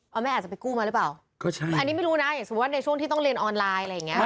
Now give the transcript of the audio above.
เอาแม่อาจจะไปกู้มาหรือเปล่าก็ใช่อันนี้ไม่รู้นะอย่างสมมุติในช่วงที่ต้องเรียนออนไลน์อะไรอย่างเงี้